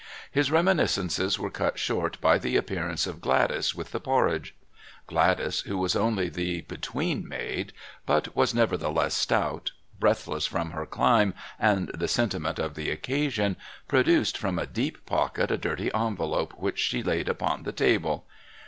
His reminiscences were cut short by the appearance of Gladys with the porridge. Gladys, who was only the between maid, but was nevertheless stout, breathless from her climb and the sentiment of the occasion, produced from a deep pocket a dirty envelope, which she laid upon the table.